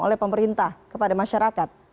oleh pemerintah kepada masyarakat